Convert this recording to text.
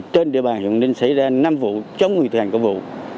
trên địa bàn hiện ninh xảy ra năm vụ chống nguyên thuyền của vụ